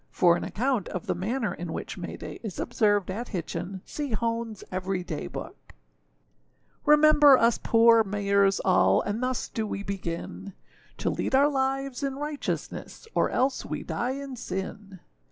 For an account of the manner in which May day is observed at Hitchin, see Honeâs Every Day Book.] REMEMBER us poor Mayers all! And thus do we begin To lead our lives in righteousness, Or else we die in sin.